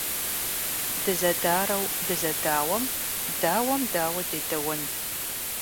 Дызэдарэу дызэдауэм - дауэм дауэ дедэуэн?